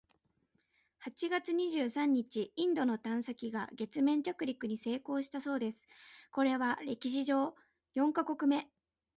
八月二十三日、インドの探査機が月面着陸に成功したそうです！（これは歴史上四カ国目！）